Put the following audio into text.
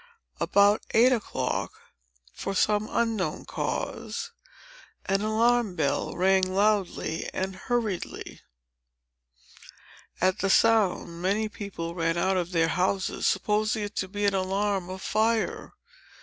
About eight o'clock, for some unknown cause, an alarm bell rang loudly and hurriedly. At the sound, many people ran out of their houses, supposing it to be an alarm of fire.